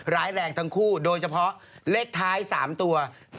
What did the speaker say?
ร้ายแรงทั้งคู่โดยเฉพาะเลขท้าย๓ตัว